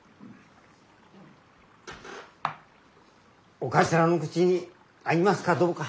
お頭の口に合いますかどうか。